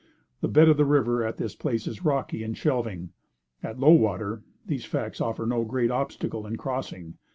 The bed of the river at this place is rocky and shelving. At low water, these facts offer no great obstacles in crossing.